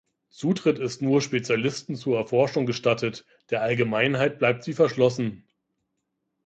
Zutritt ist nur Spezialisten zur Erforschung gestattet; der Allgemeinheit bleibt sie verschlossen.